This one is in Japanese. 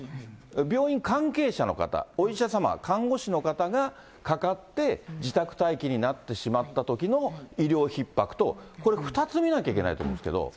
病院関係者の方、お医者様、看護師の方がかかって、自宅待機になってしまったときの医療ひっ迫と、これ、２つ見なきゃいけないと思うんですけれども。